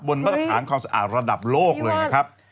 มาตรฐานความสะอาดระดับโลกเลยนะครับ